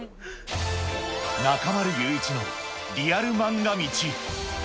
中丸雄一のリアルまんが道。